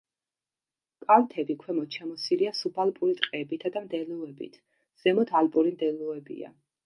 კალთები ქვემოთ შემოსილია სუბალპური ტყეებითა და მდელოებით, ზემოთ, ალპური მდელოებია.